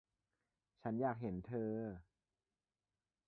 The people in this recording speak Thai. ฉันอยากเห็นเธอ